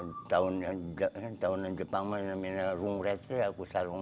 empat belas arditary di antara degli anak lapa yang berada memiliki harian yang sesuai dengan keterleben